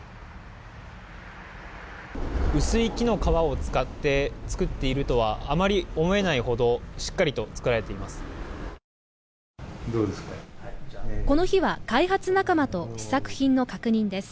薄い木の皮を使って作っているとはあまり思えないほど、しっかりと作られています。